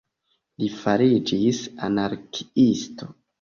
Li fariĝis anarkiisto.